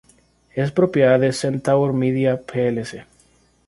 Es propiedad de Centaur Media plc.